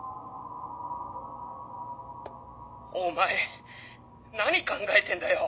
お前何考えてんだよ！